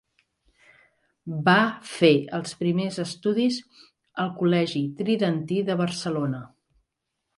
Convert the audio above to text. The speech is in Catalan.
Va fer els primers estudis al Col·legi Tridentí de Barcelona.